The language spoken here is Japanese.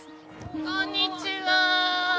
こんにちはー！